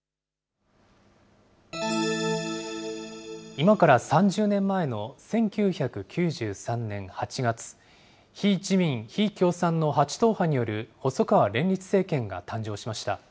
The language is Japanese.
今から３０年前の１９９３年８月、非自民、非共産の８党派による細川連立政権が誕生しました。